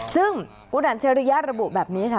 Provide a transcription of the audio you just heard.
ซึ่งคุณอัจฉริยะระบุแบบนี้ค่ะ